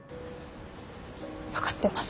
分かってます。